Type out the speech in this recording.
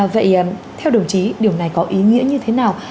vậy theo đồng chí điều này có ý nghĩa như thế nào